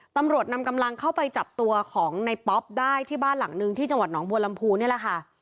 ตำรวจนำกำลังเข้าไปจับตัวของในป๊อปได้ที่บ้านหลังนึงที่จังหวัดหนองบัวลำพูนี่แหละค่ะ